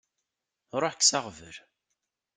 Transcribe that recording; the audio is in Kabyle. Ruḥ kkes aɣbel.